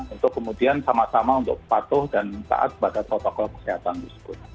untuk kemudian sama sama untuk patuh dan taat pada protokol kesehatan tersebut